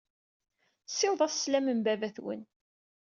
Ssiwḍet-as sslam n baba-twen.